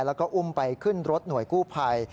แล้วก็อุ้มไปขึ้นรถหน่วยกู้ภัย